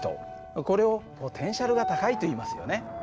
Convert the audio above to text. これを「ポテンシャルが高い」といいますよね。